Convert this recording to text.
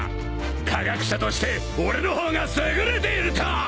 科学者として俺の方が優れていると！